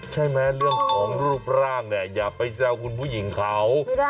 เรื่องของรูปร่างเนี่ยอย่าไปแซวคุณผู้หญิงเขา